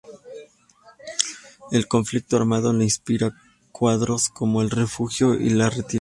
El conflicto armado le inspiró cuadros como "El refugio" y "La retirada".